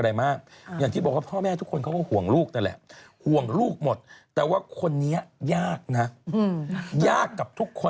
อย่างที่บอกว่าพ่อแม่ทุกคนเขาก็ห่วงลูกนั่นแหละ